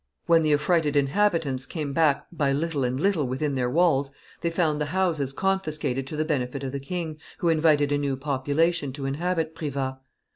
When the affrighted inhabitants came back by little and little within their walls, they found the houses confiscated to the benefit of the king, who invited a new population to inhabit Privas.